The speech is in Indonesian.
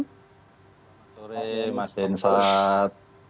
selamat sore mas jensat